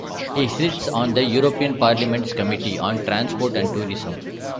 He sits on the European Parliament's Committee on Transport and Tourism.